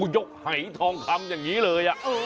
ยกหายทองคำอย่างนี้เลย